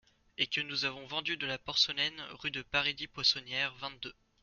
Et que nous avons vendu de la porcelaine rue de Paradis-Poissonnière, vingt-deux.